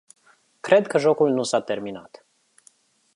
Cred că jocul nu s-a terminat.